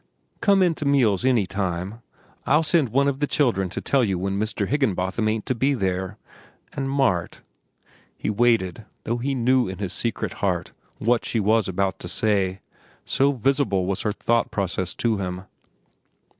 Come in to meals any time. I'll send one of the children to tell you when Mr. Higginbotham ain't to be there. An' Mart—" He waited, though he knew in his secret heart what she was about to say, so visible was her thought process to him.